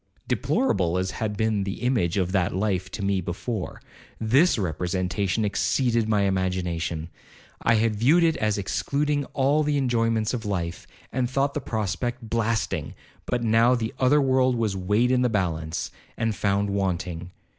'Deplorable as had been the image of that life to me before, this representation exceeded my imagination. I had viewed it as excluding all the enjoyments of life, and thought the prospect blasting; but now the other world was weighed in the balance, and found wanting.